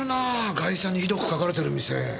ガイシャに酷く書かれてる店。